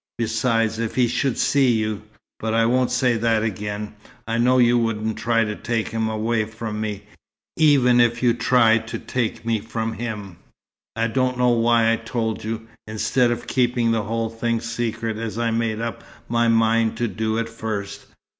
Besides, if he should see you but I won't say that again. I know you wouldn't try to take him away from me, even if you tried to take me from him. I don't know why I've told you, instead of keeping the whole thing secret as I made up my mind to do at first.